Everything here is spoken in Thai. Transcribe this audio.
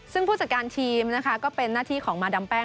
ซึ่งผู้จัดการทีมนะคะก็เป็นหน้าที่ของมาดามแป้ง